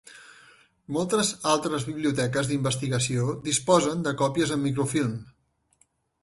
Moltes altres biblioteques d'investigació disposen de còpies en microfilm.